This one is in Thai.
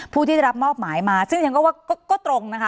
ผู้ที่รับมอบหมายมาซึ่งก็ตรงนะคะ